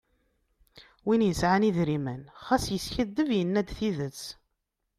Win yesɛan idrimen. ɣas yeskadeb. yenna-d tidet.